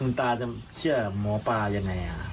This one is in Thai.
คุณตาจะเชื่อหมอปลายังไง